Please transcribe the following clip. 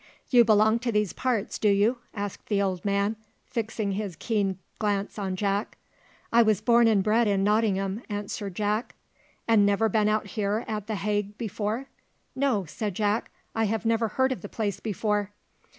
"You belong to these parts, do you?" asked the old man, fixing his keen glance on Jack. "I was born and bred in Nottingham," answered Jack. "And never been out here at the Hagg before?" "No," said Jack, "I never heard of the place before."